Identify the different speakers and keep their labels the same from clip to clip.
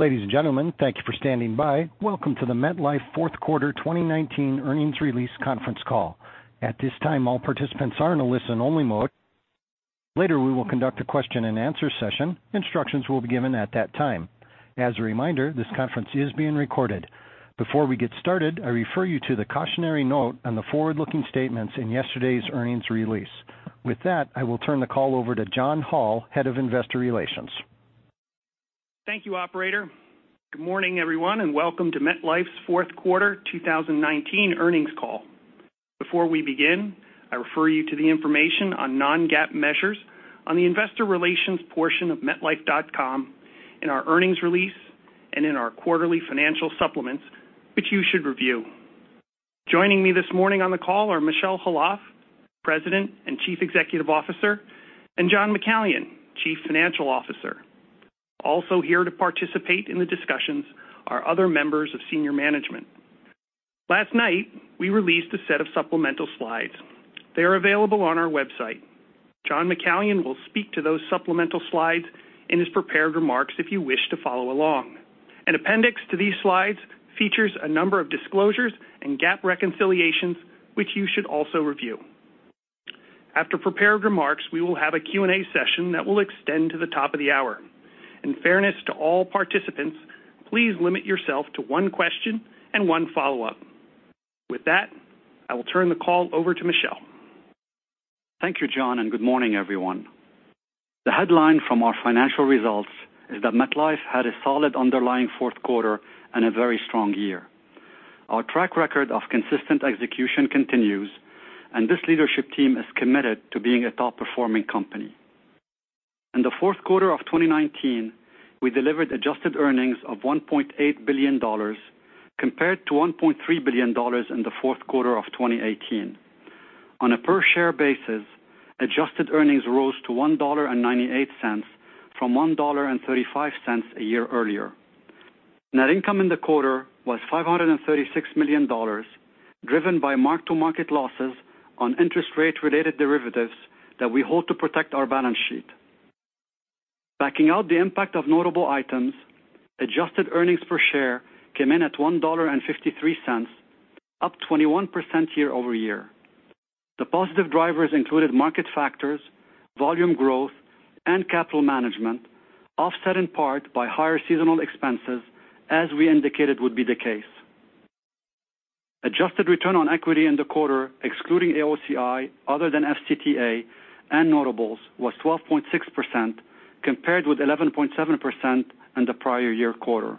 Speaker 1: Ladies and gentlemen, thank you for standing by. Welcome to the MetLife fourth quarter 2019 earnings release conference call. At this time, all participants are in a listen only mode. Later, we will conduct a question and answer session. Instructions will be given at that time. As a reminder, this conference is being recorded. Before we get started, I refer you to the cautionary note on the forward-looking statements in yesterday's earnings release. With that, I will turn the call over to John Hall, Head of Investor Relations.
Speaker 2: Thank you, operator. Good morning, everyone, and welcome to MetLife's fourth quarter 2019 earnings call. Before we begin, I refer you to the information on non-GAAP measures on the investor relations portion of metlife.com, in our earnings release, and in our quarterly financial supplements, which you should review. Joining me this morning on the call are Michel Khalaf, President and Chief Executive Officer, and John McCallion, Chief Financial Officer. Also here to participate in the discussions are other members of senior management. Last night, we released a set of supplemental slides. They are available on our website. John McCallion will speak to those supplemental slides in his prepared remarks if you wish to follow along. An appendix to these slides features a number of disclosures and GAAP reconciliations, which you should also review. After prepared remarks, we will have a Q&A session that will extend to the top of the hour. In fairness to all participants, please limit yourself to one question and one follow-up. With that, I will turn the call over to Michel.
Speaker 3: Thank you, John, and good morning, everyone. The headline from our financial results is that MetLife had a solid underlying fourth quarter and a very strong year. Our track record of consistent execution continues, and this leadership team is committed to being a top-performing company. In the fourth quarter of 2019, we delivered adjusted earnings of $1.8 billion compared to $1.3 billion in the fourth quarter of 2018. On a per share basis, adjusted earnings rose to $1.98 from $1.35 a year earlier. Net income in the quarter was $536 million, driven by mark-to-market losses on interest rate-related derivatives that we hold to protect our balance sheet. Backing out the impact of notable items, adjusted earnings per share came in at $1.53, up 21% year-over-year. The positive drivers included market factors, volume growth, and capital management, offset in part by higher seasonal expenses, as we indicated would be the case. Adjusted return on equity in the quarter, excluding AOCI, other than FCTA and notables, was 12.6%, compared with 11.7% in the prior year quarter.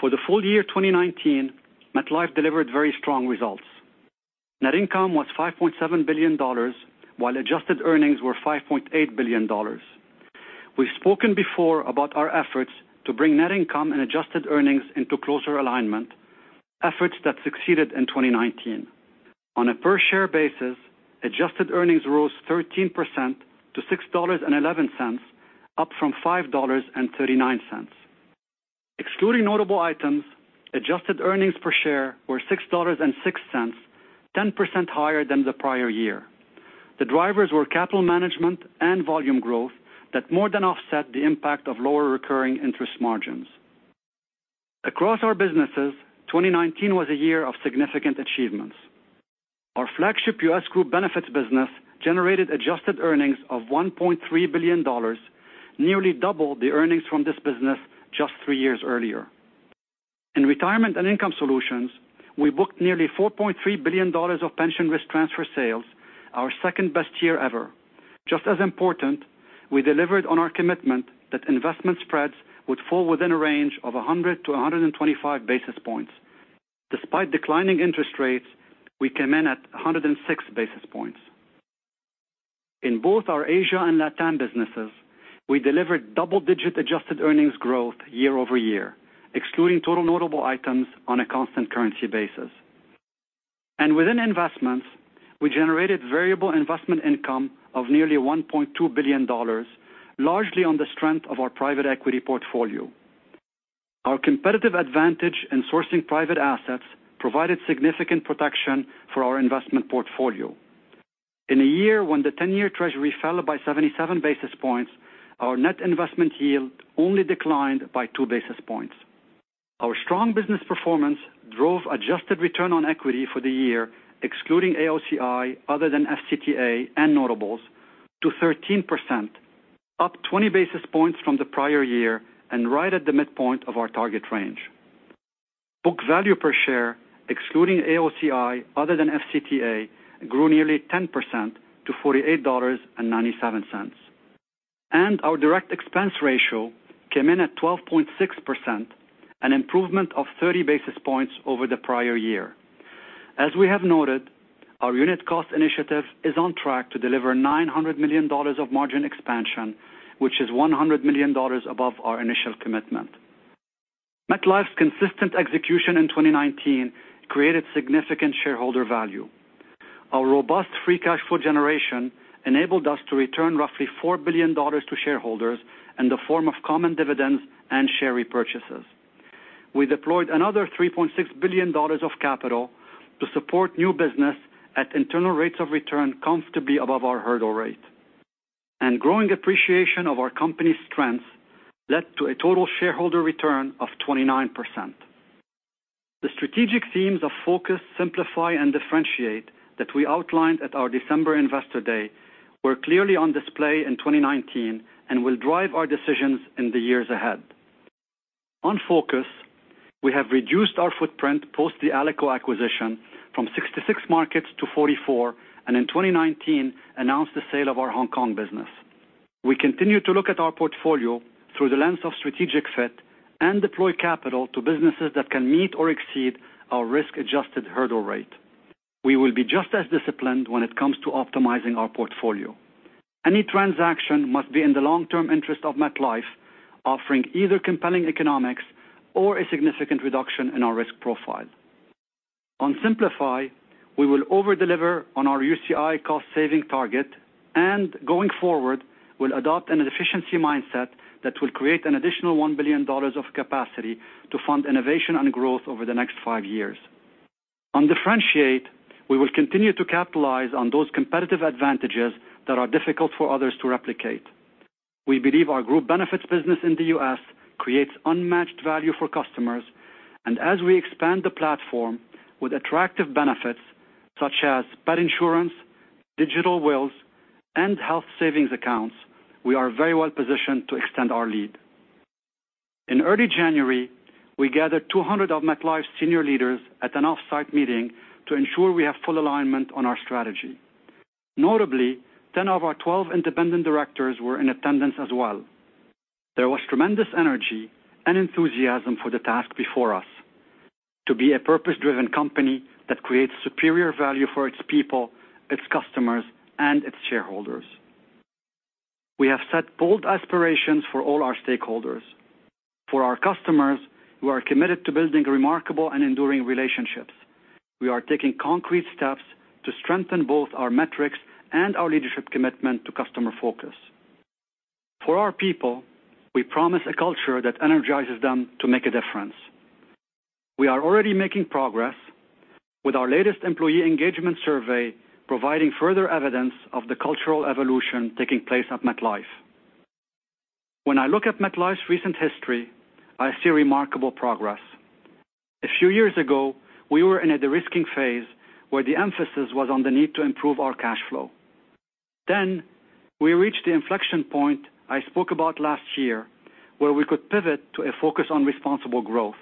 Speaker 3: For the full year 2019, MetLife delivered very strong results. Net income was $5.7 billion, while adjusted earnings were $5.8 billion. We've spoken before about our efforts to bring net income and adjusted earnings into closer alignment, efforts that succeeded in 2019. On a per share basis, adjusted earnings rose 13% to $6.11, up from $5.39. Excluding notable items, adjusted earnings per share were $6.06, 10% higher than the prior year. The drivers were capital management and volume growth that more than offset the impact of lower recurring interest margins. Across our businesses, 2019 was a year of significant achievements. Our flagship U.S. group benefits business generated adjusted earnings of $1.3 billion, nearly double the earnings from this business just three years earlier. In Retirement and Income Solutions, we booked nearly $4.3 billion of pension risk transfer sales, our second-best year ever. Just as important, we delivered on our commitment that investment spreads would fall within a range of 100 to 125 basis points. Despite declining interest rates, we came in at 106 basis points. In both our Asia and LATAM businesses, we delivered double-digit adjusted earnings growth year-over-year, excluding total notable items on a constant currency basis. Within investments, we generated variable investment income of nearly $1.2 billion, largely on the strength of our private equity portfolio. Our competitive advantage in sourcing private assets provided significant protection for our investment portfolio. In a year when the 10-year treasury fell by 77 basis points, our net investment yield only declined by two basis points. Our strong business performance drove adjusted return on equity for the year, excluding AOCI other than FCTA and notables, to 13%, up 20 basis points from the prior year and right at the midpoint of our target range. Book value per share, excluding AOCI other than FCTA, grew nearly 10% to $48.97. Our direct expense ratio came in at 12.6%, an improvement of 30 basis points over the prior year. As we have noted, our unit cost initiative is on track to deliver $900 million of margin expansion, which is $100 million above our initial commitment. MetLife's consistent execution in 2019 created significant shareholder value. Our robust free cash flow generation enabled us to return roughly $4 billion to shareholders in the form of common dividends and share repurchases. We deployed another $3.6 billion of capital to support new business at internal rates of return comfortably above our hurdle rate. Growing appreciation of our company's strengths led to a total shareholder return of 29%. The strategic themes of focus, simplify, and differentiate that we outlined at our December investor day were clearly on display in 2019 and will drive our decisions in the years ahead. On focus, we have reduced our footprint post the Alico acquisition from 66 markets to 44, and in 2019, announced the sale of our Hong Kong business. We continue to look at our portfolio through the lens of strategic fit and deploy capital to businesses that can meet or exceed our risk-adjusted hurdle rate. We will be just as disciplined when it comes to optimizing our portfolio. Any transaction must be in the long-term interest of MetLife, offering either compelling economics or a significant reduction in our risk profile. On simplify, we will over-deliver on our UCI cost-saving target, going forward, we'll adopt an efficiency mindset that will create an additional $1 billion of capacity to fund innovation and growth over the next five years. On differentiate, we will continue to capitalize on those competitive advantages that are difficult for others to replicate. We believe our group benefits business in the U.S. creates unmatched value for customers, as we expand the platform with attractive benefits such as pet insurance, digital wills, and health savings accounts, we are very well positioned to extend our lead. In early January, we gathered 200 of MetLife's senior leaders at an off-site meeting to ensure we have full alignment on our strategy. Notably, 10 of our 12 independent directors were in attendance as well. There was tremendous energy and enthusiasm for the task before us, to be a purpose-driven company that creates superior value for its people, its customers, and its shareholders. We have set bold aspirations for all our stakeholders. For our customers, we are committed to building remarkable and enduring relationships. We are taking concrete steps to strengthen both our metrics and our leadership commitment to customer focus. For our people, we promise a culture that energizes them to make a difference. We are already making progress with our latest employee engagement survey providing further evidence of the cultural evolution taking place at MetLife. When I look at MetLife's recent history, I see remarkable progress. A few years ago, we were in a de-risking phase where the emphasis was on the need to improve our cash flow. We reached the inflection point I spoke about last year, where we could pivot to a focus on responsible growth.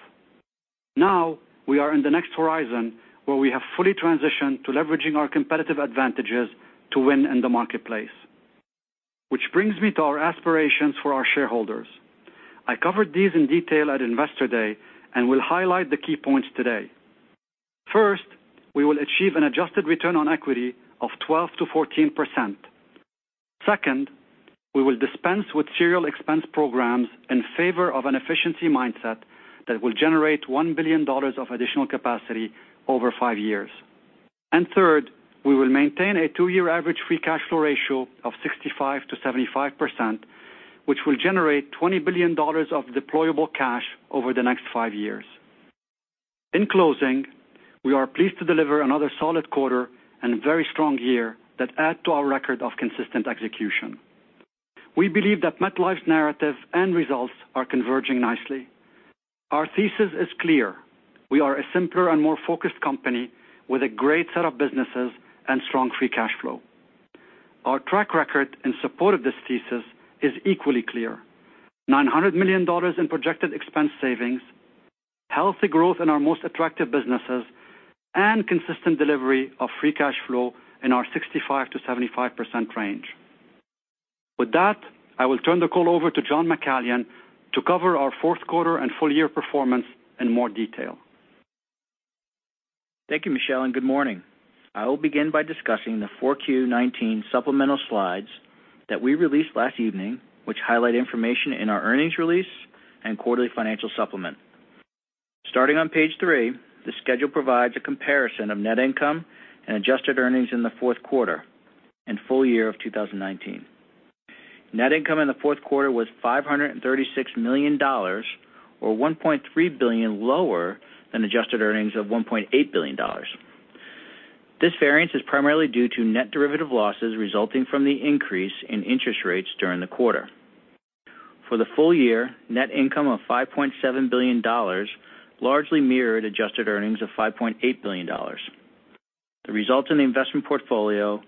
Speaker 3: We are in the next horizon, where we have fully transitioned to leveraging our competitive advantages to win in the marketplace. Which brings me to our aspirations for our shareholders. I covered these in detail at Investor Day and will highlight the key points today. First, we will achieve an adjusted return on equity of 12%-14%. Second, we will dispense with serial expense programs in favor of an efficiency mindset that will generate $1 billion of additional capacity over five years. Third, we will maintain a two-year average free cash flow ratio of 65%-75%, which will generate $20 billion of deployable cash over the next five years. In closing, we are pleased to deliver another solid quarter and very strong year that add to our record of consistent execution. We believe that MetLife's narrative and results are converging nicely. Our thesis is clear. We are a simpler and more focused company with a great set of businesses and strong free cash flow. Our track record in support of this thesis is equally clear. $900 million in projected expense savings, healthy growth in our most attractive businesses, and consistent delivery of free cash flow in our 65%-75% range. With that, I will turn the call over to John McCallion to cover our fourth quarter and full-year performance in more detail.
Speaker 4: Thank you, Michel, and good morning. I will begin by discussing the 4Q19 supplemental slides that we released last evening, which highlight information in our earnings release and quarterly financial supplement. Starting on page three, the schedule provides a comparison of net income and adjusted earnings in the fourth quarter and full year of 2019. Net income in the fourth quarter was $536 million, or $1.3 billion lower than adjusted earnings of $1.8 billion. This variance is primarily due to net derivative losses resulting from the increase in interest rates during the quarter. For the full year, net income of $5.7 billion largely mirrored adjusted earnings of $5.8 billion. The results in the investment portfolio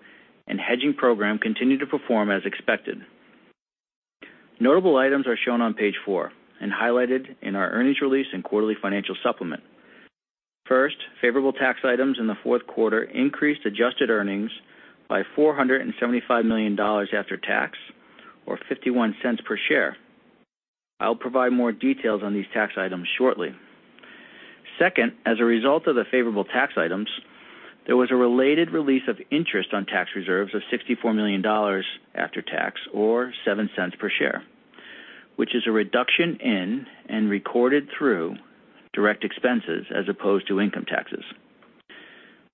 Speaker 4: and hedging program continued to perform as expected. Notable items are shown on page four and highlighted in our earnings release and quarterly financial supplement. First, favorable tax items in the fourth quarter increased adjusted earnings by $475 million after tax or $0.51 per share. I'll provide more details on these tax items shortly. Second, as a result of the favorable tax items, there was a related release of interest on tax reserves of $64 million after tax or $0.07 per share, which is a reduction in and recorded through direct expenses as opposed to income taxes.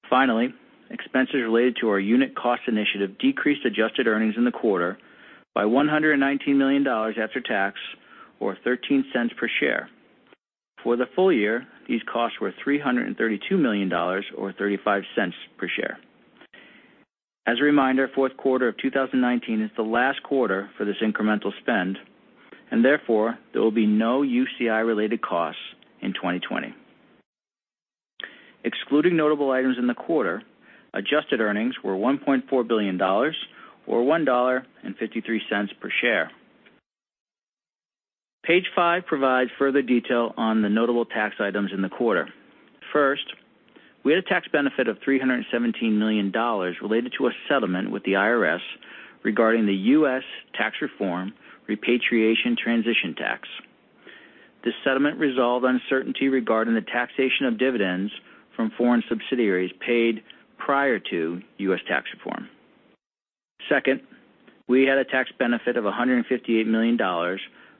Speaker 4: Finally, expenses related to our unit cost initiative decreased adjusted earnings in the quarter by $119 million after tax, or $0.13 per share. For the full year, these costs were $332 million, or $0.35 per share. As a reminder, fourth quarter of 2019 is the last quarter for this incremental spend, therefore, there will be no UCI-related costs in 2020. Excluding notable items in the quarter, adjusted earnings were $1.4 billion, or $1.53 per share. Page five provides further detail on the notable tax items in the quarter. First, we had a tax benefit of $317 million related to a settlement with the IRS regarding the U.S. Tax Reform Repatriation Transition Tax. This settlement resolved uncertainty regarding the taxation of dividends from foreign subsidiaries paid prior to U.S. tax reform. Second, we had a tax benefit of $158 million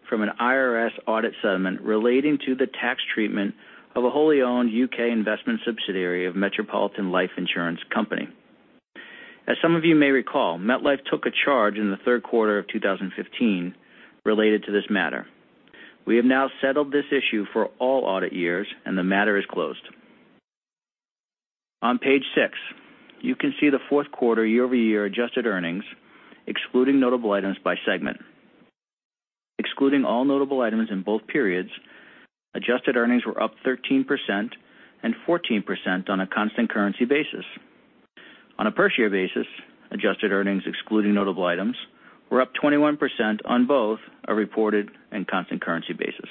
Speaker 4: from an IRS audit settlement relating to the tax treatment of a wholly owned U.K. investment subsidiary of Metropolitan Life Insurance Company. As some of you may recall, MetLife took a charge in the third quarter of 2015 related to this matter. We have now settled this issue for all audit years, the matter is closed. On page six, you can see the fourth quarter year-over-year adjusted earnings, excluding notable items by segment. Excluding all notable items in both periods, adjusted earnings were up 13% and 14% on a constant currency basis. On a per share basis, adjusted earnings excluding notable items were up 21% on both a reported and constant currency basis.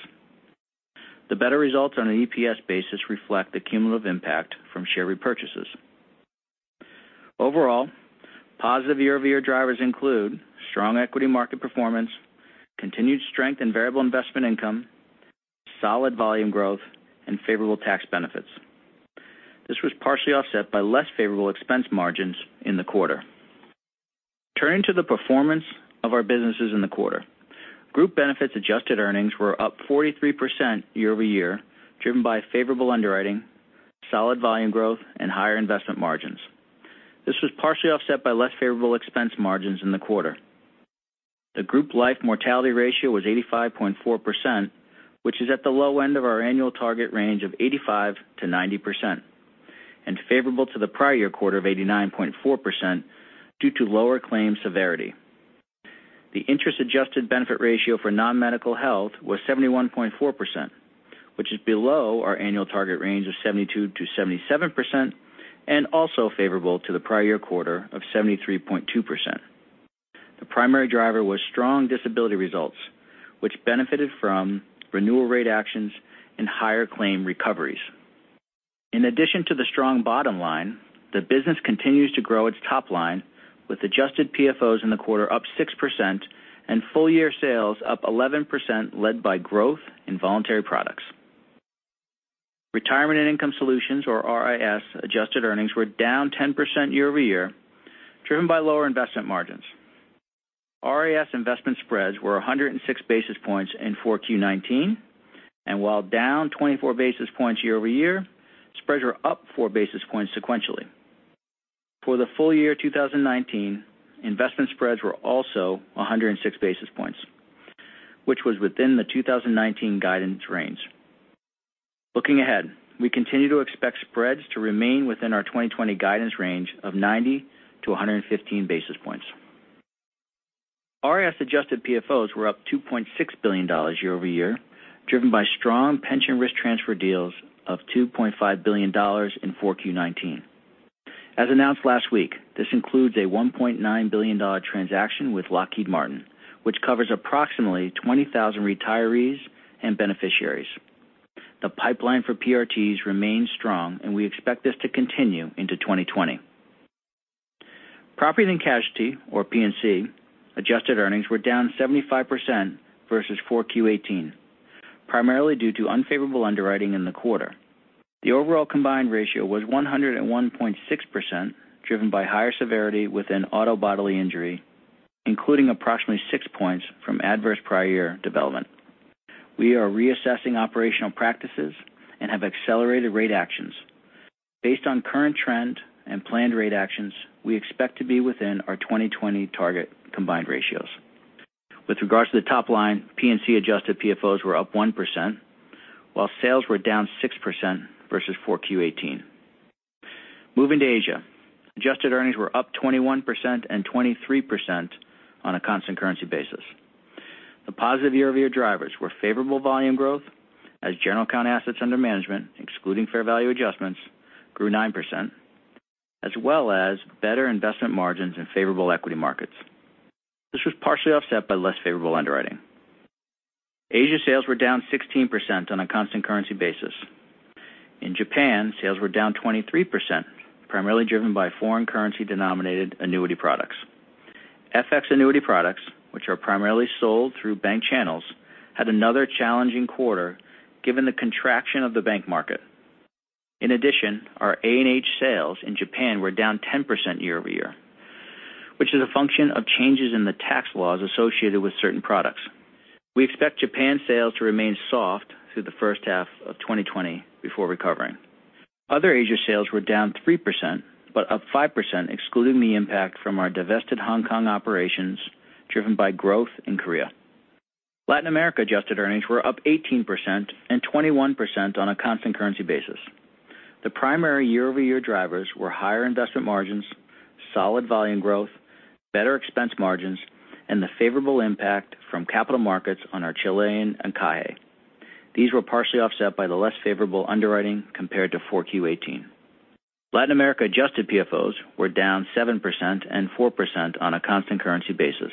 Speaker 4: The better results on an EPS basis reflect the cumulative impact from share repurchases. Overall, positive year-over-year drivers include strong equity market performance, continued strength in variable investment income, solid volume growth, and favorable tax benefits. This was partially offset by less favorable expense margins in the quarter. Turning to the performance of our businesses in the quarter. Group benefits adjusted earnings were up 43% year-over-year, driven by favorable underwriting, solid volume growth, and higher investment margins. This was partially offset by less favorable expense margins in the quarter. The group life mortality ratio was 85.4%, which is at the low end of our annual target range of 85%-90%, and favorable to the prior year quarter of 89.4% due to lower claim severity. The interest-adjusted benefit ratio for non-medical health was 71.4%, which is below our annual target range of 72%-77%, and also favorable to the prior year quarter of 73.2%. The primary driver was strong disability results, which benefited from renewal rate actions and higher claim recoveries. In addition to the strong bottom line, the business continues to grow its top line with adjusted PFOs in the quarter up 6% and full-year sales up 11%, led by growth in voluntary products. Retirement and Income Solutions, or RIS, adjusted earnings were down 10% year-over-year, driven by lower investment margins. RIS investment spreads were 106 basis points in 4Q19, and while down 24 basis points year-over-year, spreads were up four basis points sequentially. For the full year 2019, investment spreads were also 106 basis points, which was within the 2019 guidance range. Looking ahead, we continue to expect spreads to remain within our 2020 guidance range of 90 to 115 basis points. RIS adjusted PFOs were up $2.6 billion year-over-year, driven by strong pension risk transfer deals of $2.5 billion in 4Q19. As announced last week, this includes a $1.9 billion transaction with Lockheed Martin, which covers approximately 20,000 retirees and beneficiaries. The pipeline for PRTs remains strong, and we expect this to continue into 2020. Property and Casualty, or P&C, adjusted earnings were down 75% versus 4Q18, primarily due to unfavorable underwriting in the quarter. The overall combined ratio was 101.6%, driven by higher severity within auto bodily injury, including approximately six points from adverse prior year development. We are reassessing operational practices and have accelerated rate actions. Based on current trend and planned rate actions, we expect to be within our 2020 target combined ratios. With regards to the top line, P&C adjusted PFOs were up 1%, while sales were down 6% versus 4Q18. Moving to Asia. Adjusted earnings were up 21% and 23% on a constant currency basis. The positive year-over-year drivers were favorable volume growth as general account assets under management, excluding fair value adjustments, grew 9%, as well as better investment margins and favorable equity markets. This was partially offset by less favorable underwriting. Asia sales were down 16% on a constant currency basis. In Japan, sales were down 23%, primarily driven by foreign currency denominated annuity products. FX annuity products, which are primarily sold through bank channels, had another challenging quarter given the contraction of the bank market. In addition, our A&H sales in Japan were down 10% year-over-year. Which is a function of changes in the tax laws associated with certain products. We expect Japan sales to remain soft through the first half of 2020 before recovering. Other Asia sales were down 3%, but up 5% excluding the impact from our divested Hong Kong operations, driven by growth in Korea. Latin America adjusted earnings were up 18% and 21% on a constant currency basis. The primary year-over-year drivers were higher investment margins, solid volume growth, better expense margins, and the favorable impact from capital markets on our Chilean encaje. These were partially offset by the less favorable underwriting compared to 4Q18. Latin America adjusted PFOs were down 7% and 4% on a constant currency basis,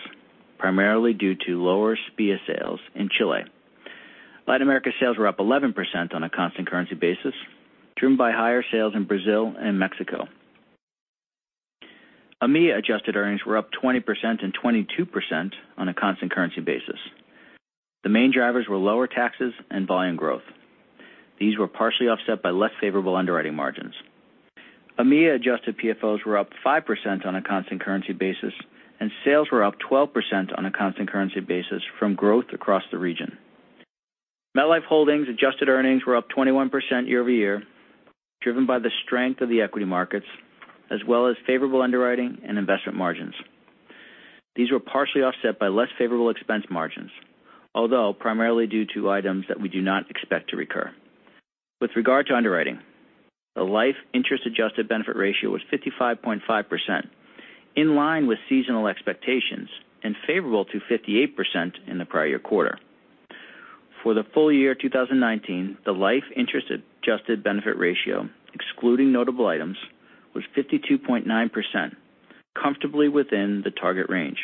Speaker 4: primarily due to lower SPIA sales in Chile. Latin America sales were up 11% on a constant currency basis, driven by higher sales in Brazil and Mexico. AMEA adjusted earnings were up 20% and 22% on a constant currency basis. The main drivers were lower taxes and volume growth. These were partially offset by less favorable underwriting margins. AMEA adjusted PFOs were up 5% on a constant currency basis, and sales were up 12% on a constant currency basis from growth across the region. MetLife Holdings adjusted earnings were up 21% year-over-year, driven by the strength of the equity markets, as well as favorable underwriting and investment margins. These were partially offset by less favorable expense margins, although primarily due to items that we do not expect to recur. With regard to underwriting, the Life interest adjusted benefit ratio was 55.5%, in line with seasonal expectations and favorable to 58% in the prior year quarter. For the full year 2019, the Life interest adjusted benefit ratio, excluding notable items, was 52.9%, comfortably within the target range.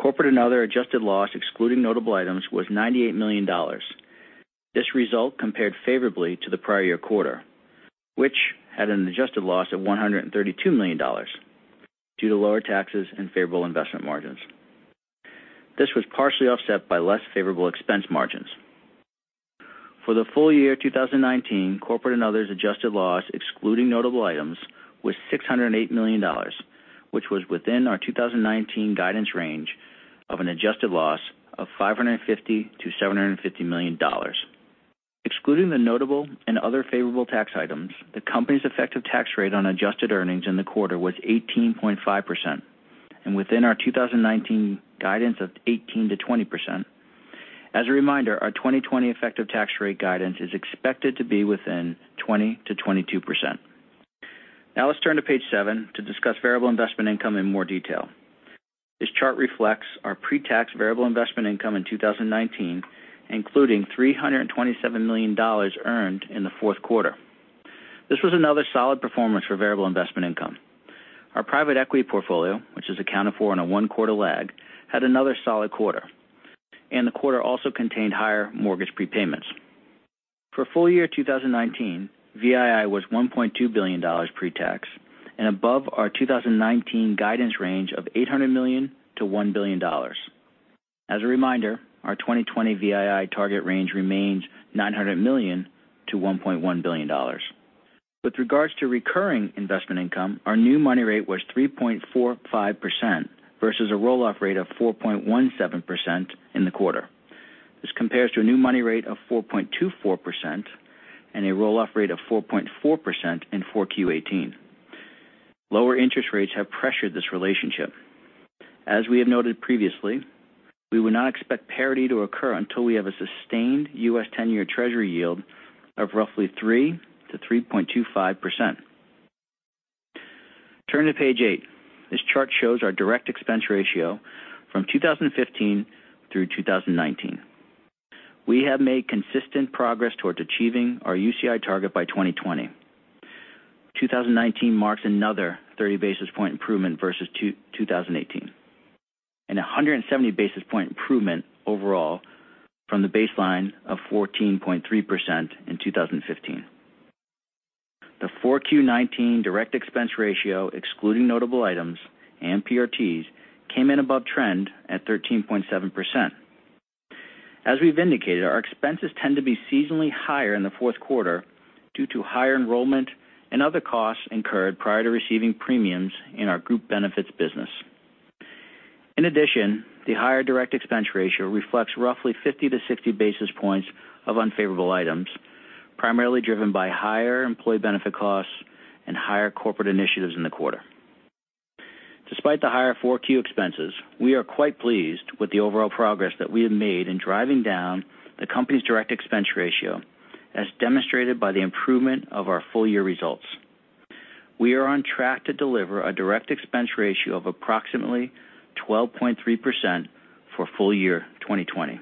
Speaker 4: Corporate and Other adjusted loss, excluding notable items, was $98 million. This result compared favorably to the prior year quarter, which had an adjusted loss of $132 million due to lower taxes and favorable investment margins. This was partially offset by less favorable expense margins. For the full year 2019, Corporate and Other adjusted loss, excluding notable items, was $608 million, which was within our 2019 guidance range of an adjusted loss of $550 million-$750 million. Excluding the notable and other favorable tax items, the company's effective tax rate on adjusted earnings in the quarter was 18.5% and within our 2019 guidance of 18%-20%. As a reminder, our 2020 effective tax rate guidance is expected to be within 20%-22%. Now let's turn to page seven to discuss variable investment income in more detail. This chart reflects our pre-tax variable investment income in 2019, including $327 million earned in the fourth quarter. This was another solid performance for variable investment income. Our private equity portfolio, which is accounted for on a one-quarter lag, had another solid quarter, and the quarter also contained higher mortgage prepayments. For full year 2019, VII was $1.2 billion pre-tax and above our 2019 guidance range of $800 million-$1 billion. As a reminder, our 2020 VII target range remains $900 million-$1.1 billion. With regards to recurring investment income, our new money rate was 3.45% versus a roll-off rate of 4.17% in the quarter. This compares to a new money rate of 4.24% and a roll-off rate of 4.4% in 4Q18. Lower interest rates have pressured this relationship. As we have noted previously, we would not expect parity to occur until we have a sustained U.S. 10-year Treasury yield of roughly 3%-3.25%. Turn to page eight. This chart shows our direct expense ratio from 2015 through 2019. We have made consistent progress towards achieving our UCI target by 2020. 2019 marks another 30 basis point improvement versus 2018 and 170 basis point improvement overall from the baseline of 14.3% in 2015. The 4Q19 direct expense ratio, excluding notable items and PRTs, came in above trend at 13.7%. As we've indicated, our expenses tend to be seasonally higher in the fourth quarter due to higher enrollment and other costs incurred prior to receiving premiums in our group benefits business. In addition, the higher direct expense ratio reflects roughly 50-60 basis points of unfavorable items, primarily driven by higher employee benefit costs and higher corporate initiatives in the quarter. Despite the higher 4Q expenses, we are quite pleased with the overall progress that we have made in driving down the company's direct expense ratio, as demonstrated by the improvement of our full year results. We are on track to deliver a direct expense ratio of approximately 12.3% for full year 2020,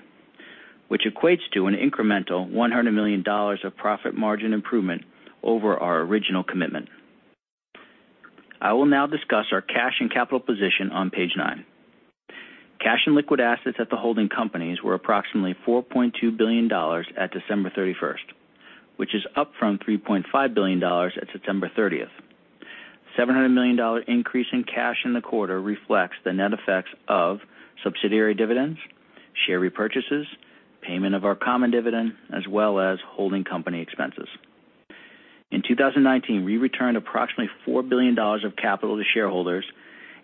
Speaker 4: which equates to an incremental $100 million of profit margin improvement over our original commitment. I will now discuss our cash and capital position on page nine. Cash and liquid assets at the holding companies were approximately $4.2 billion at December 31, which is up from $3.5 billion at September 30. $700 million increase in cash in the quarter reflects the net effects of subsidiary dividends, share repurchases, payment of our common dividend, as well as holding company expenses. In 2019, we returned approximately $4 billion of capital to shareholders.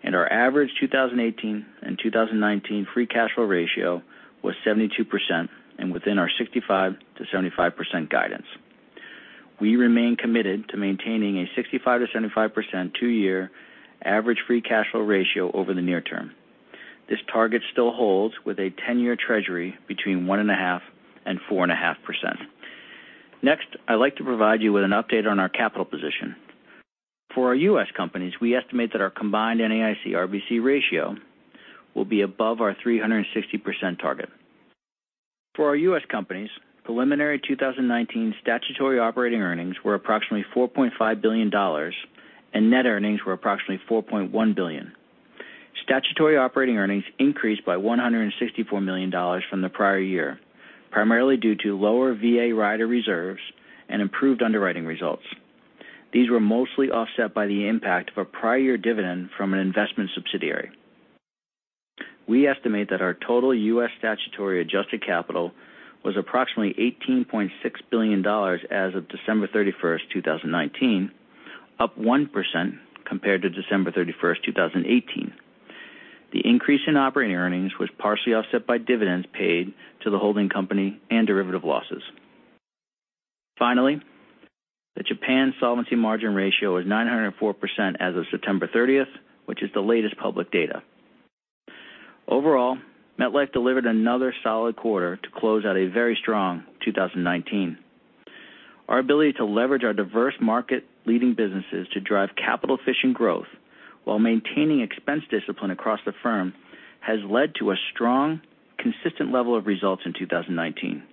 Speaker 4: Our average 2018 and 2019 free cash flow ratio was 72% and within our 65%-75% guidance. We remain committed to maintaining a 65%-75% two-year average free cash flow ratio over the near term. This target still holds with a 10-year treasury between 1.5% and 4.5%. Next, I'd like to provide you with an update on our capital position. For our U.S. companies, we estimate that our combined NAIC RBC ratio will be above our 360% target. For our U.S. companies, preliminary 2019 statutory operating earnings were approximately $4.5 billion and net earnings were approximately $4.1 billion. Statutory operating earnings increased by $164 million from the prior year, primarily due to lower VA rider reserves and improved underwriting results. These were mostly offset by the impact of a prior year dividend from an investment subsidiary. We estimate that our total U.S. statutory adjusted capital was approximately $18.6 billion as of December 31, 2019, up 1% compared to December 31, 2018. The increase in operating earnings was partially offset by dividends paid to the holding company and derivative losses. Finally, the Japan solvency margin ratio is 904% as of September 30, which is the latest public data. Overall, MetLife delivered another solid quarter to close out a very strong 2019. Our ability to leverage our diverse market leading businesses to drive capital-efficient growth while maintaining expense discipline across the firm has led to a strong, consistent level of results in 2019.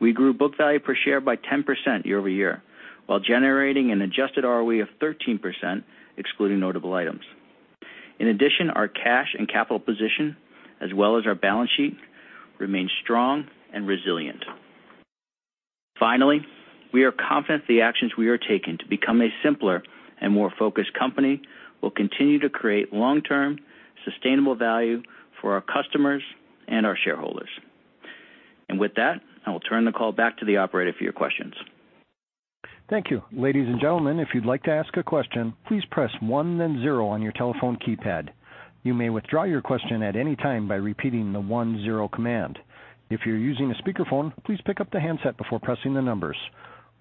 Speaker 4: We grew book value per share by 10% year-over-year, while generating an adjusted ROE of 13%, excluding notable items. In addition, our cash and capital position, as well as our balance sheet, remains strong and resilient. Finally, we are confident the actions we are taking to become a simpler and more focused company will continue to create long-term, sustainable value for our customers and our shareholders. With that, I will turn the call back to the operator for your questions.
Speaker 1: Thank you. Ladies and gentlemen, if you'd like to ask a question, please press one then zero on your telephone keypad. You may withdraw your question at any time by repeating the one-zero command. If you're using a speakerphone, please pick up the handset before pressing the numbers.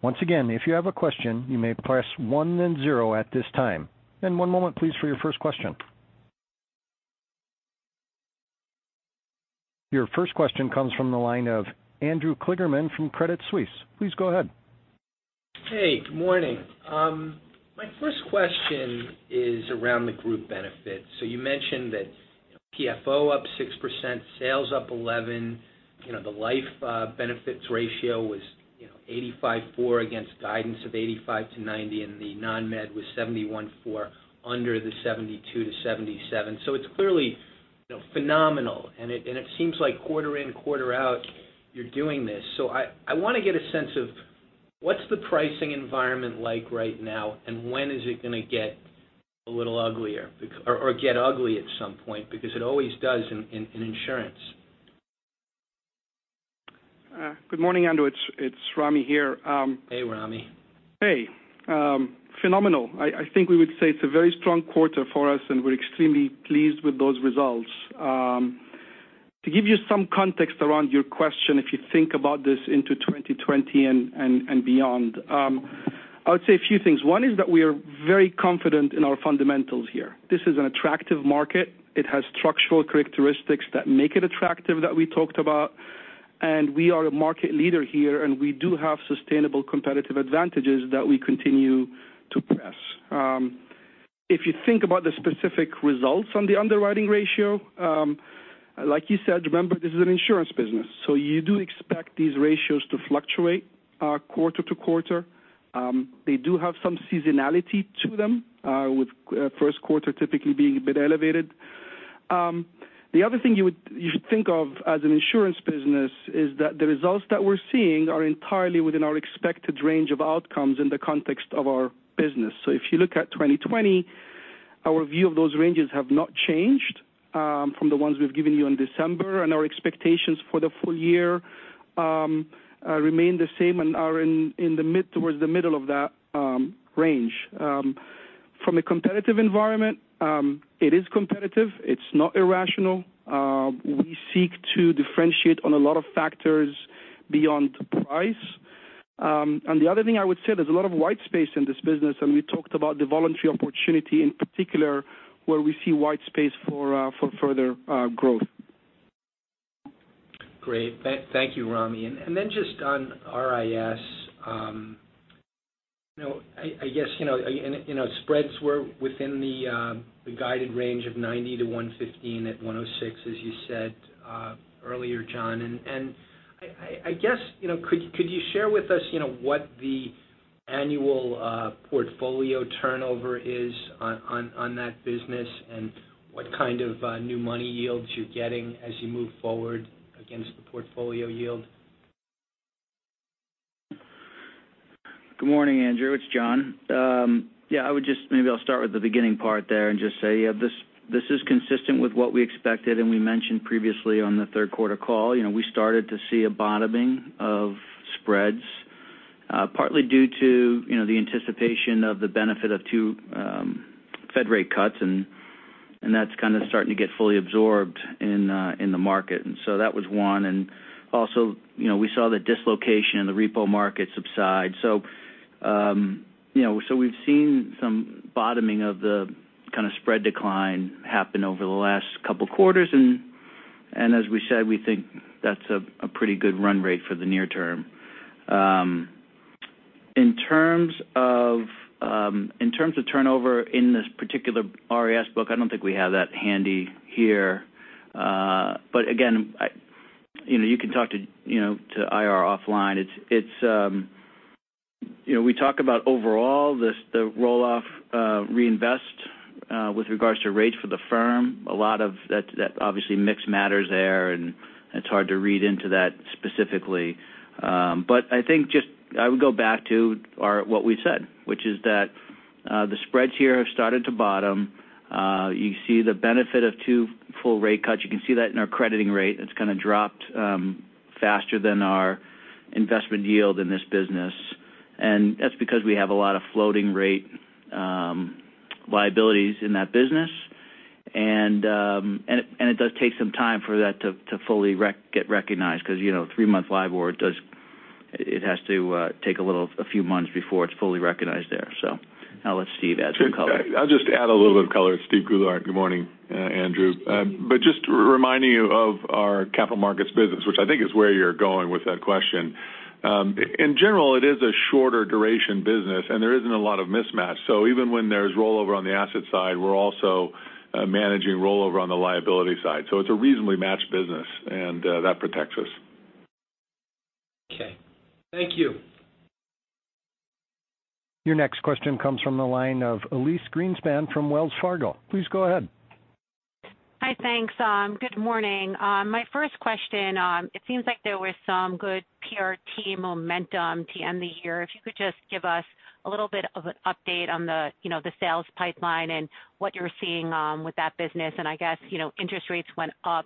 Speaker 1: Once again, if you have a question, you may press one then zero at this time. One moment, please, for your first question. Your first question comes from the line of Andrew Kligerman from Credit Suisse. Please go ahead.
Speaker 5: Hey, good morning. My first question is around the group benefits. You mentioned that PFO up 6%, sales up 11%. The life benefits ratio was 85.4% against guidance of 85%-90%, and the non-med was 71.4% under the 72%-77%. It's clearly phenomenal, and it seems like quarter in, quarter out, you're doing this. I want to get a sense of what's the pricing environment like right now, and when is it going to get a little uglier or get ugly at some point? It always does in insurance.
Speaker 6: Good morning, Andrew. It's Ramy here.
Speaker 5: Hey, Ramy.
Speaker 6: Hey. Phenomenal. I think we would say it's a very strong quarter for us and we're extremely pleased with those results. To give you some context around your question, if you think about this into 2020 and beyond, I would say a few things. One is that we are very confident in our fundamentals here. This is an attractive market. It has structural characteristics that make it attractive that we talked about, and we are a market leader here, and we do have sustainable competitive advantages that we continue to press. If you think about the specific results on the underwriting ratio, like you said, remember, this is an insurance business, so you do expect these ratios to fluctuate quarter to quarter. They do have some seasonality to them, with first quarter typically being a bit elevated. The other thing you should think of as an insurance business is that the results that we're seeing are entirely within our expected range of outcomes in the context of our business. If you look at 2020, our view of those ranges have not changed from the ones we've given you in December, and our expectations for the full year remain the same and are towards the middle of that range. From a competitive environment, it is competitive. It's not irrational. We seek to differentiate on a lot of factors beyond price. The other thing I would say, there's a lot of white space in this business, and we talked about the voluntary opportunity in particular, where we see white space for further growth.
Speaker 5: Great. Thank you, Ramy. Just on RIS. Spreads were within the guided range of 90 to 115 at 106, as you said earlier, John, could you share with us what the annual portfolio turnover is on that business and what kind of new money yields you're getting as you move forward against the portfolio yield?
Speaker 4: Good morning, Andrew. It's John. Maybe I'll start with the beginning part there and just say this is consistent with what we expected, and we mentioned previously on the third quarter call. We started to see a bottoming of spreads Partly due to the anticipation of the benefit of two Fed rate cuts, and that's kind of starting to get fully absorbed in the market. That was one. Also, we saw the dislocation in the repo market subside. We've seen some bottoming of the spread decline happen over the last couple of quarters. As we said, we think that's a pretty good run rate for the near term. In terms of turnover in this particular RIS book, I don't think we have that handy here. Again, you can talk to IR offline. We talk about overall, the roll-off reinvest with regards to rates for the firm. A lot of that obviously mix matters there, and it's hard to read into that specifically. I think I would go back to what we said, which is that the spreads here have started to bottom. You see the benefit of 2 full rate cuts. You can see that in our crediting rate. It's kind of dropped faster than our investment yield in this business. That's because we have a lot of floating rate liabilities in that business. It does take some time for that to fully get recognized because 3-month LIBOR it has to take a few months before it's fully recognized there. Now let Steve add some color.
Speaker 7: I'll just add a little bit of color. It's Steven Goulart. Good morning, Andrew. Just reminding you of our capital markets business, which I think is where you're going with that question. In general, it is a shorter duration business, and there isn't a lot of mismatch. Even when there's rollover on the asset side, we're also managing rollover on the liability side. It's a reasonably matched business, and that protects us.
Speaker 5: Okay. Thank you.
Speaker 1: Your next question comes from the line of Elyse Greenspan from Wells Fargo. Please go ahead.
Speaker 8: Hi, thanks. Good morning. My first question, it seems like there was some good PRT momentum to end the year. If you could just give us a little bit of an update on the sales pipeline and what you're seeing with that business. I guess, interest rates went up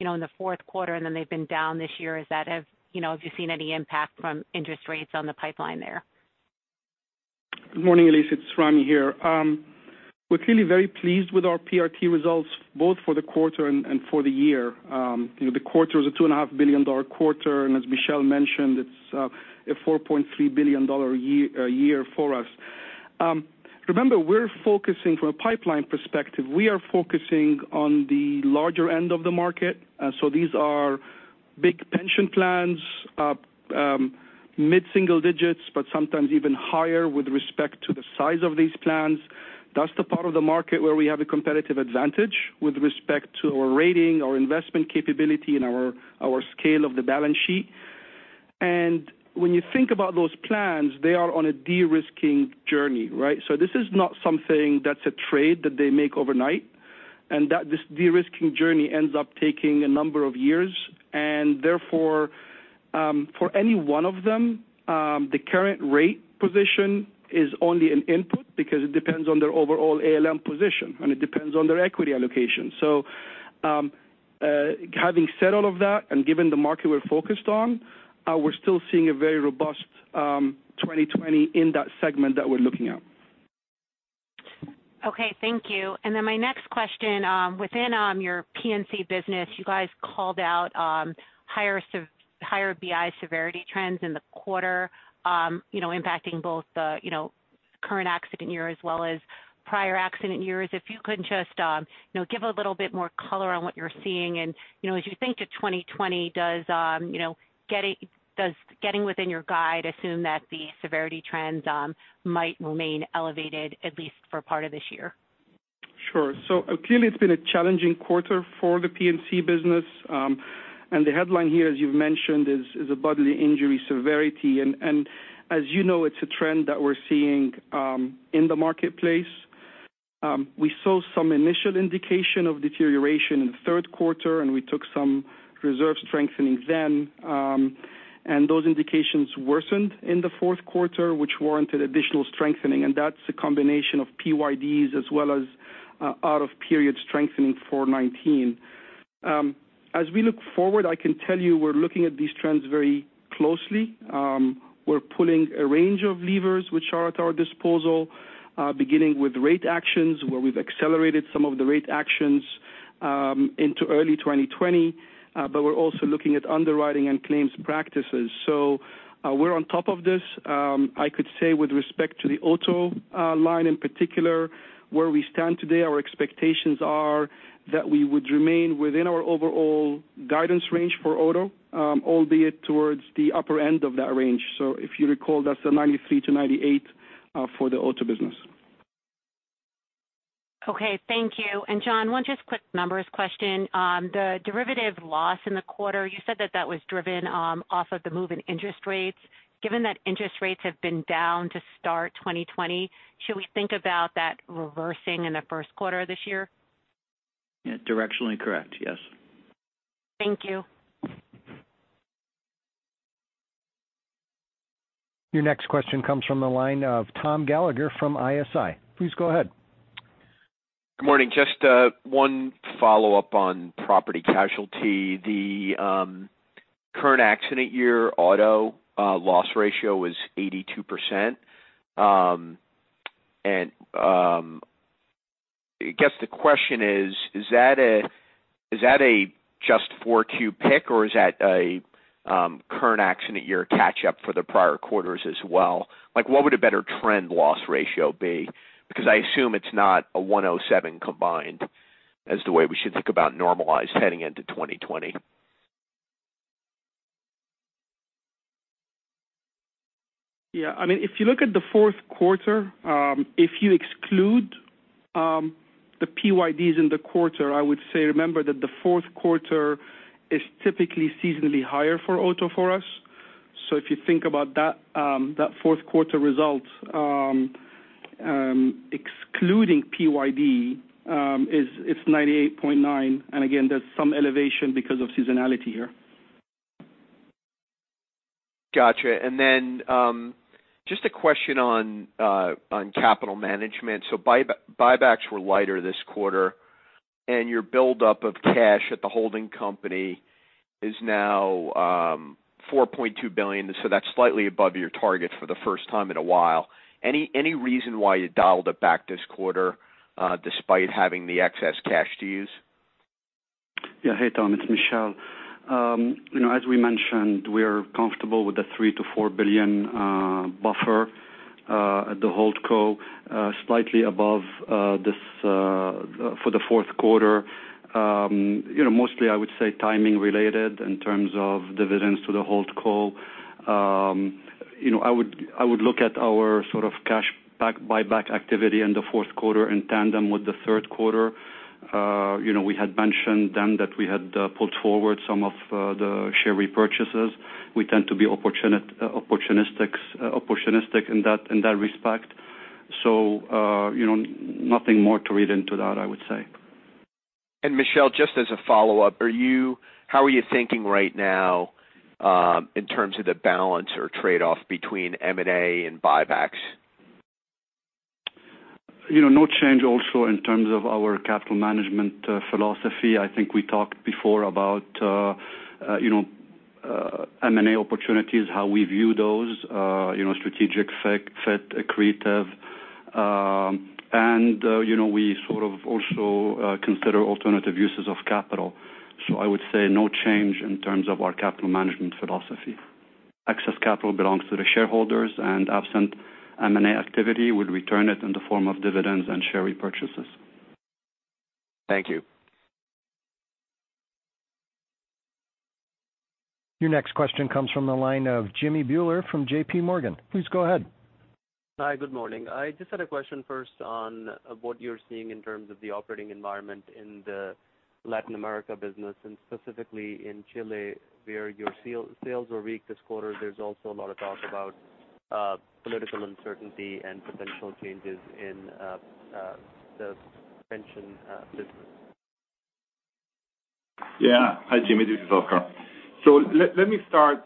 Speaker 8: in the fourth quarter, then they've been down this year. Have you seen any impact from interest rates on the pipeline there?
Speaker 6: Good morning, Elyse. It's Ramy here. We're clearly very pleased with our PRT results, both for the quarter and for the year. The quarter was a $2.5 billion quarter, as Michel mentioned, it's a $4.3 billion a year for us. Remember, we're focusing from a pipeline perspective. We are focusing on the larger end of the market. These are big pension plans, mid-single digits, but sometimes even higher with respect to the size of these plans. That's the part of the market where we have a competitive advantage with respect to our rating, our investment capability, and our scale of the balance sheet. When you think about those plans, they are on a de-risking journey, right? This is not something that's a trade that they make overnight, that this de-risking journey ends up taking a number of years. Therefore, for any one of them, the current rate position is only an input because it depends on their overall ALM position, it depends on their equity allocation. Having said all of that, given the market we're focused on, we're still seeing a very robust 2020 in that segment that we're looking at.
Speaker 8: Okay, thank you. My next question, within your P&C business, you guys called out higher BI severity trends in the quarter impacting both the current accident year as well as prior accident years. If you could just give a little bit more color on what you're seeing, as you think to 2020, does getting within your guide assume that the severity trends might remain elevated, at least for part of this year?
Speaker 6: Clearly it's been a challenging quarter for the P&C business. The headline here, as you've mentioned, is a bodily injury severity. As you know, it's a trend that we're seeing in the marketplace. We saw some initial indication of deterioration in the third quarter, we took some reserve strengthening then. Those indications worsened in the fourth quarter, which warranted additional strengthening, and that's a combination of PYDs as well as out-of-period strengthening for 2019. As we look forward, I can tell you we're looking at these trends very closely. We're pulling a range of levers which are at our disposal, beginning with rate actions where we've accelerated some of the rate actions into early 2020. We're also looking at underwriting and claims practices. We're on top of this. I could say with respect to the auto line in particular, where we stand today, our expectations are that we would remain within our overall guidance range for auto, albeit towards the upper end of that range. If you recall, that's the 93%-98% for the auto business.
Speaker 8: Okay, thank you. John, one just quick numbers question. The derivative loss in the quarter, you said that that was driven off of the move in interest rates. Given that interest rates have been down to start 2020, should we think about that reversing in the first quarter of this year?
Speaker 4: Yeah, directionally correct. Yes.
Speaker 8: Thank you.
Speaker 1: Your next question comes from the line of Tom Gallagher from ISI. Please go ahead.
Speaker 9: Good morning. Just one follow-up on property casualty. The current accident year auto loss ratio was 82%. I guess the question is: Is that a just 4Q pick, or is that a current accident year catch-up for the prior quarters as well? What would a better trend loss ratio be? Because I assume it's not a 107 combined as the way we should think about normalized heading into 2020.
Speaker 6: Yeah. If you look at the fourth quarter, if you exclude the PYDs in the quarter, I would say, remember that the fourth quarter is typically seasonally higher for auto for us. If you think about that fourth quarter result, excluding PYD, it's 98.9. Again, there's some elevation because of seasonality here.
Speaker 9: Got you. Just a question on capital management. Buybacks were lighter this quarter, and your buildup of cash at the holding company is now $4.2 billion. That's slightly above your target for the first time in a while. Any reason why you dialed it back this quarter despite having the excess cash to use?
Speaker 3: Yeah. Hey, Tom, it's Michel. As we mentioned, we're comfortable with the $3 billion-$4 billion buffer at the holdco slightly above for the fourth quarter. Mostly, I would say timing related in terms of dividends to the holdco. I would look at our sort of cash buyback activity in the fourth quarter in tandem with the third quarter. We had mentioned then that we had pulled forward some of the share repurchases. We tend to be opportunistic in that respect. Nothing more to read into that, I would say.
Speaker 9: Michel, just as a follow-up, how are you thinking right now in terms of the balance or trade-off between M&A and buybacks?
Speaker 3: No change also in terms of our capital management philosophy. I think we talked before about M&A opportunities, how we view those strategic fit creative. We sort of also consider alternative uses of capital. I would say no change in terms of our capital management philosophy. Excess capital belongs to the shareholders, and absent M&A activity, we'll return it in the form of dividends and share repurchases.
Speaker 9: Thank you.
Speaker 1: Your next question comes from the line of Jimmy Bhullar from JP Morgan. Please go ahead.
Speaker 10: Hi, good morning. I just had a question first on what you're seeing in terms of the operating environment in the Latin America business, and specifically in Chile, where your sales were weak this quarter. There's also a lot of talk about political uncertainty and potential changes in the pension business.
Speaker 11: Yeah. Hi, Jimmy, this is Oscar. Let me start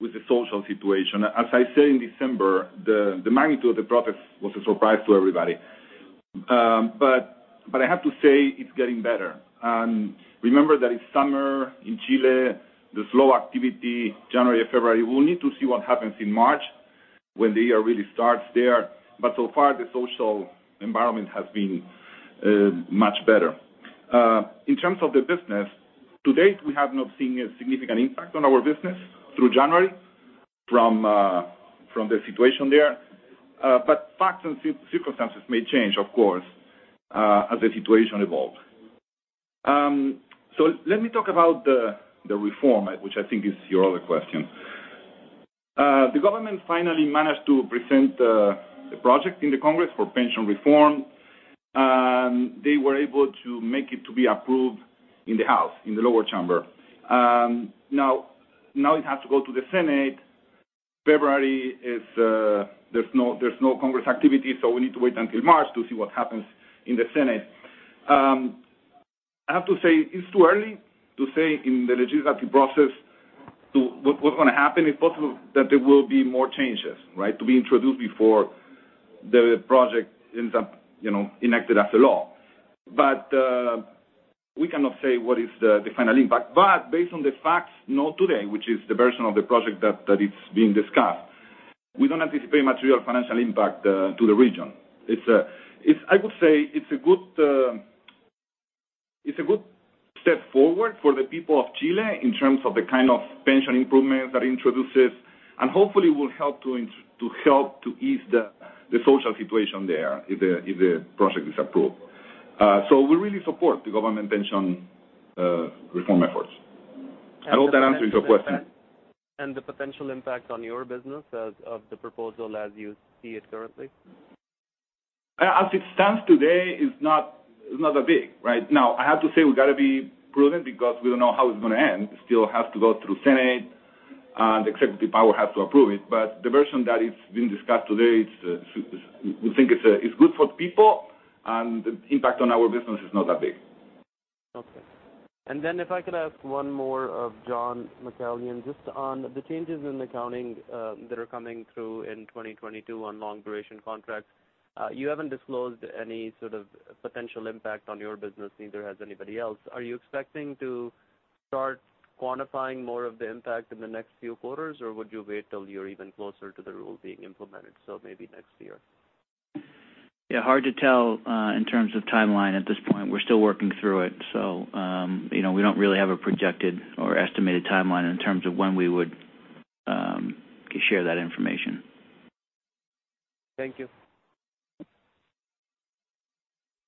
Speaker 11: with the social situation. As I said in December, the magnitude of the protest was a surprise to everybody. I have to say it's getting better. Remember that it's summer in Chile, there's slow activity January, February. We'll need to see what happens in March when the year really starts there. So far, the social environment has been much better. In terms of the business, to date, we have not seen a significant impact on our business through January from the situation there. Facts and circumstances may change, of course as the situation evolves. Let me talk about the reform, which I think is your other question. The government finally managed to present the project in the Congress for pension reform. They were able to make it to be approved in the House, in the lower chamber. It has to go to the Senate. February, there's no Congress activity, we need to wait until March to see what happens in the Senate. I have to say, it's too early to say in the legislative process what's going to happen. It's possible that there will be more changes to be introduced before the project ends up enacted as a law. We cannot say what is the final impact. Based on the facts now today, which is the version of the project that is being discussed, we don't anticipate material financial impact to the region. I would say it's a good step forward for the people of Chile in terms of the kind of pension improvements that it introduces, hopefully will help to ease the social situation there if the project is approved. We really support the government pension reform efforts. I hope that answers your question.
Speaker 10: The potential impact on your business of the proposal as you see it currently?
Speaker 11: As it stands today, it's not that big. I have to say we've got to be prudent because we don't know how it's going to end. It still has to go through Senate, the executive power has to approve it. The version that is being discussed today, we think it's good for the people, the impact on our business is not that big.
Speaker 10: Okay. If I could ask one more of John McCallion, just on the changes in accounting that are coming through in 2022 on long-duration contracts. You haven't disclosed any sort of potential impact on your business, neither has anybody else. Are you expecting to start quantifying more of the impact in the next few quarters, or would you wait till you're even closer to the rule being implemented, so maybe next year?
Speaker 4: Yeah, hard to tell in terms of timeline at this point. We're still working through it. We don't really have a projected or estimated timeline in terms of when we would share that information.
Speaker 10: Thank you.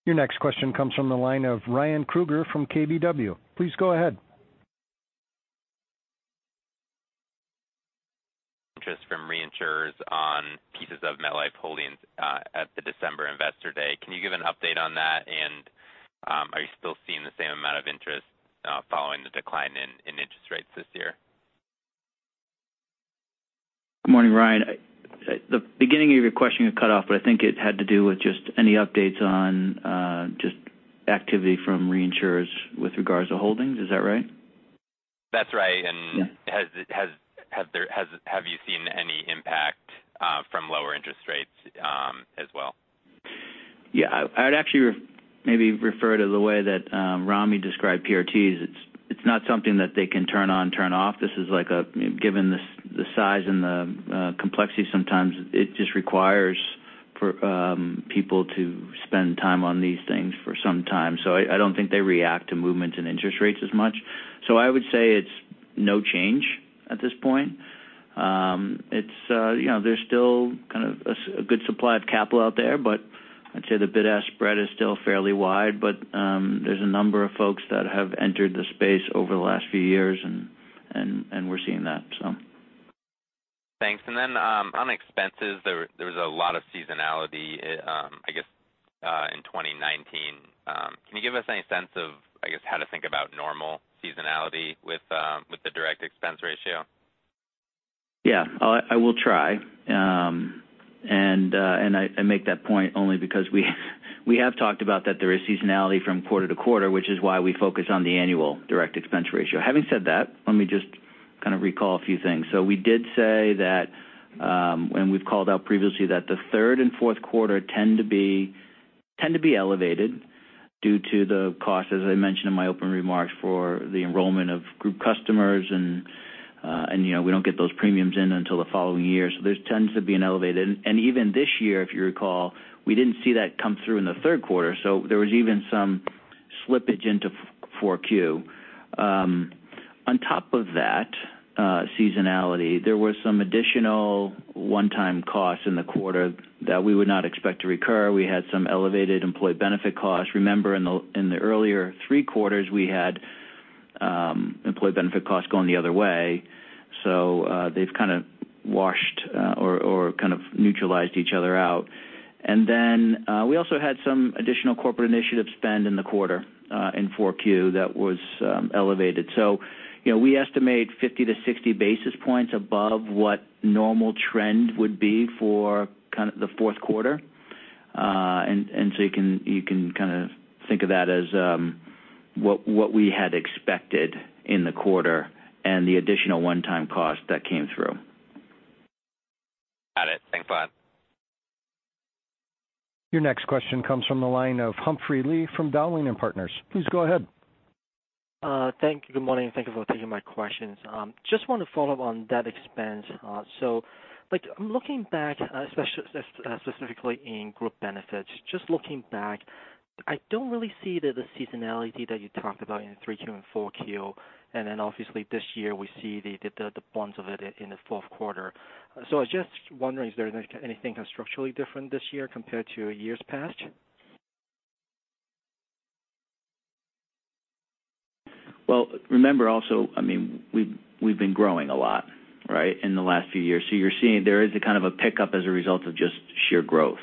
Speaker 1: Your next question comes from the line of Ryan Krueger from KBW. Please go ahead.
Speaker 12: Interest from reinsurers on pieces of MetLife Holdings at the December investor day. Can you give an update on that? Are you still seeing the same amount of interest following the decline in interest rates this year?
Speaker 4: Good morning, Ryan. The beginning of your question got cut off. I think it had to do with just any updates on just activity from reinsurers with regards to holdings. Is that right?
Speaker 12: That's right.
Speaker 4: Yeah.
Speaker 12: Have you seen any impact from lower interest rates as well?
Speaker 4: Yeah. I'd actually maybe refer to the way that Ramy described PRTs. It's not something that they can turn on, turn off. This is like given the size and the complexity, sometimes it just requires people to spend time on these things for some time. I don't think they react to movements in interest rates as much. I would say it's no change at this point. There's still kind of a good supply of capital out there, but I'd say the bid-ask spread is still fairly wide. There's a number of folks that have entered the space over the last few years and we're seeing that.
Speaker 12: Thanks. On expenses, there was a lot of seasonality, I guess, in 2019. Can you give us any sense of how to think about normal seasonality with the direct expense ratio?
Speaker 4: Yeah. I will try. I make that point only because we have talked about that there is seasonality from quarter to quarter, which is why we focus on the annual direct expense ratio. Having said that, let me just kind of recall a few things. We did say that, and we've called out previously that the third and fourth quarter tend to be elevated due to the cost, as I mentioned in my opening remarks, for the enrollment of group customers and we don't get those premiums in until the following year, so there's tends to be an elevated. Even this year, if you recall, we didn't see that come through in the third quarter, so there was even some slippage into 4Q. On top of that seasonality, there was some additional one-time costs in the quarter that we would not expect to recur. We had some elevated employee benefit costs. Remember, in the earlier three quarters, we had employee benefit costs going the other way, they've kind of washed or kind of neutralized each other out. We also had some additional corporate initiative spend in the quarter, in 4Q, that was elevated. We estimate 50 to 60 basis points above what normal trend would be for kind of the fourth quarter. You can kind of think of that as what we had expected in the quarter and the additional one-time cost that came through.
Speaker 12: Got it. Thanks a lot.
Speaker 1: Your next question comes from the line of Humphrey Lee from Dowling & Partners. Please go ahead.
Speaker 13: Thank you. Good morning. Thank you for taking my questions. Just want to follow up on that expense. Like, I'm looking back, specifically in group benefits, just looking back, I don't really see the seasonality that you talked about in 3Q and 4Q, and then obviously this year we see the bounds of it in the fourth quarter. I was just wondering, is there anything structurally different this year compared to years past?
Speaker 4: Well, remember also, we've been growing a lot, right, in the last few years. You're seeing there is a kind of a pickup as a result of just sheer growth.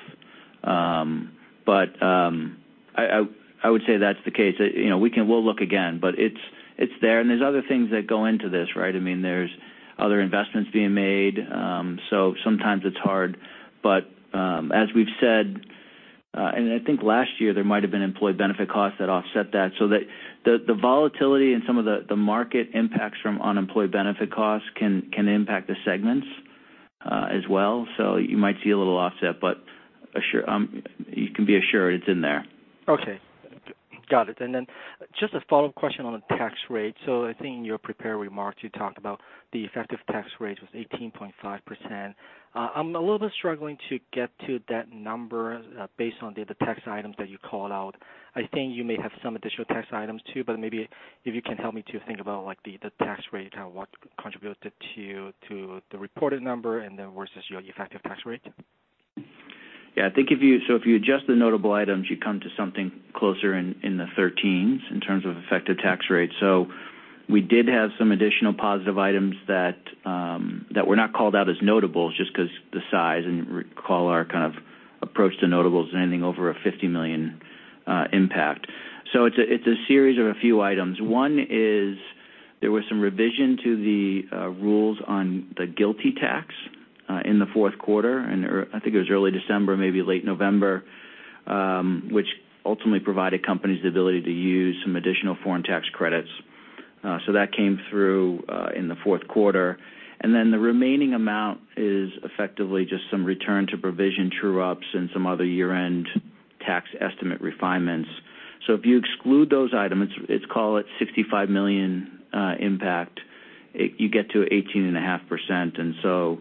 Speaker 4: I would say that's the case. We'll look again, but it's there, and there's other things that go into this, right? There's other investments being made. Sometimes it's hard, but as we've said, and I think last year there might have been employee benefit costs that offset that. The volatility in some of the market impacts from employee benefit costs can impact the segments as well. You might see a little offset, but you can be assured it's in there.
Speaker 13: Okay. Got it. Just a follow-up question on the tax rate. I think in your prepared remarks, you talked about the effective tax rate was 18.5%. I'm a little bit struggling to get to that number based on the other tax items that you called out. I think you may have some additional tax items, too, but maybe if you can help me to think about the tax rate, what contributed to the reported number and then versus your effective tax rate.
Speaker 4: I think if you adjust the notable items, you come to something closer in the 13s in terms of effective tax rate. We did have some additional positive items that were not called out as notable just because the size and recall our kind of approach to notables is anything over a $50 million impact. It's a series of a few items. One is there was some revision to the rules on the GILTI tax in the fourth quarter, and I think it was early December, maybe late November, which ultimately provided companies the ability to use some additional foreign tax credits. That came through in the fourth quarter. The remaining amount is effectively just some return to provision true-ups and some other year-end tax estimate refinements. If you exclude those items, call it $65 million impact, you get to 18.5%.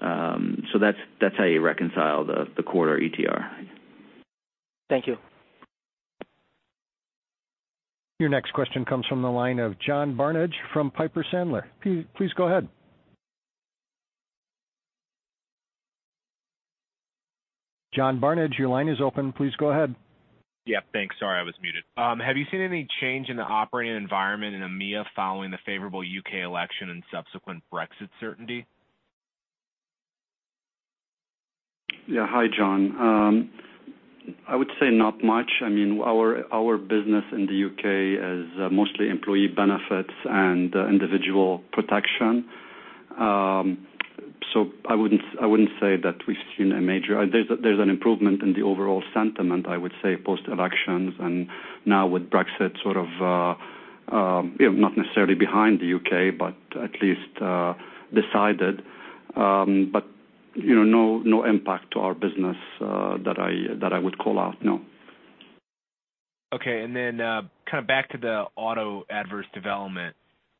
Speaker 4: That's how you reconcile the quarter ETR.
Speaker 13: Thank you.
Speaker 1: Your next question comes from the line of John Barnidge from Piper Sandler. Please go ahead. John Barnidge, your line is open. Please go ahead.
Speaker 14: Yeah, thanks. Sorry, I was muted. Have you seen any change in the operating environment in EMEA following the favorable U.K. election and subsequent Brexit certainty?
Speaker 3: Yeah. Hi, John. I would say not much. Our business in the U.K. is mostly employee benefits and individual protection. I wouldn't say that we've seen a major. There's an improvement in the overall sentiment, I would say, post-elections, and now with Brexit sort of, not necessarily behind the U.K., but at least decided. No impact to our business that I would call out, no.
Speaker 14: Okay. Back to the auto adverse development.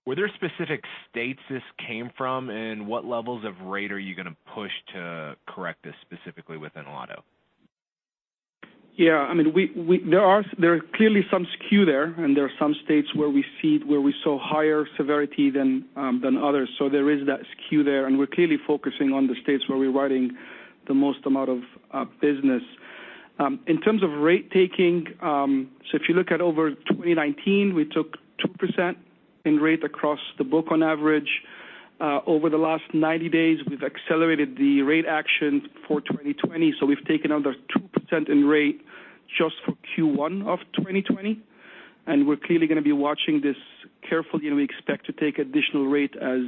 Speaker 14: Were there specific states this came from? What levels of rate are you going to push to correct this specifically within auto?
Speaker 6: Yeah, there are clearly some skew there and there are some states where we saw higher severity than others. There is that skew there, and we're clearly focusing on the states where we're writing the most amount of business. In terms of rate taking, if you look at over 2019, we took 2% in rate across the book on average. Over the last 90 days, we've accelerated the rate action for 2020. We've taken another 2% in rate just for Q1 of 2020, and we're clearly going to be watching this carefully, and we expect to take additional rate as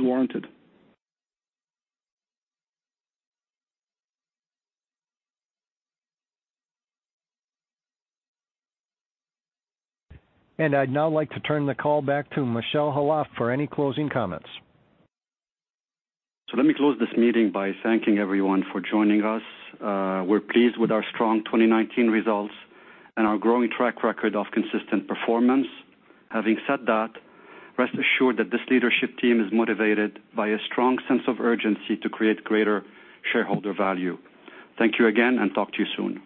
Speaker 6: warranted.
Speaker 1: I'd now like to turn the call back to Michel Khalaf for any closing comments.
Speaker 3: Let me close this meeting by thanking everyone for joining us. We're pleased with our strong 2019 results and our growing track record of consistent performance. Having said that, rest assured that this leadership team is motivated by a strong sense of urgency to create greater shareholder value. Thank you again, talk to you soon.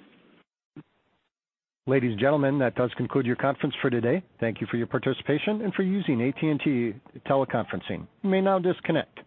Speaker 1: Ladies and gentlemen, that does conclude your conference for today. Thank you for your participation and for using AT&T Teleconferencing. You may now disconnect.